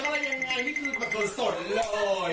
ไม่เจ็บยังไงมันก็สนเลย